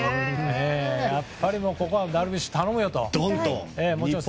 ここはダルビッシュ頼むよと。